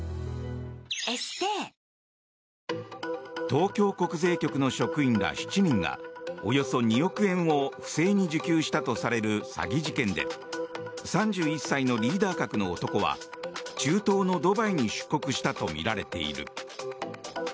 東京国税局の職員ら７人がおよそ２億円を不正に受給したとされる詐欺事件で３１歳のリーダー格の男は中東のドバイに出国したとみられている。